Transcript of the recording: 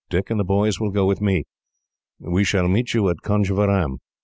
Dick and the boys will go with me. We shall meet you at Conjeveram.